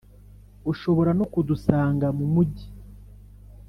ushobora no kudusanga mumujyi